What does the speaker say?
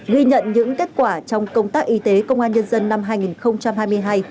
ghi nhận những kết quả trong công tác y tế công an nhân dân năm hai nghìn hai mươi hai